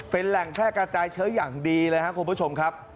เป็นแหล่งแพร่กระจายเชื้ออย่างดีเลยครับคุณผู้ชมครับ